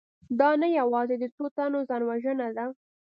دا نه یوازې د څو تنو ځانوژنه ده